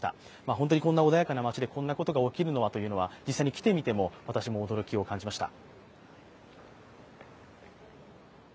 本当にこんな穏やかな町でこんなことが起きるとはと、実際に来てみても、私も驚きを感じました。